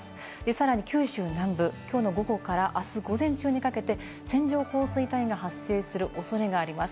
さらに九州南部、きょうの午後からあす午前中にかけて線状降水帯が発生するおそれがあります。